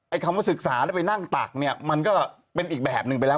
คำว่าศึกษาแล้วไปนั่งตักเนี่ยมันก็เป็นอีกแบบหนึ่งไปแล้ว